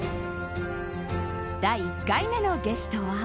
第１回目のゲストは。